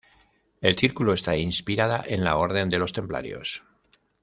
El Círculo está inspirada en la Orden de los Templarios.